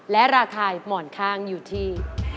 และราคาหมอนข้างอยู่ที่